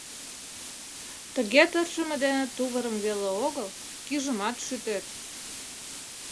— Тыге тыршыме дене тувырым веле огыл, кӱжымат шӱтет.